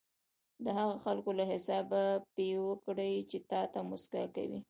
د هغه خلکو له حسابه یې وکړئ چې تاته موسکا کوي.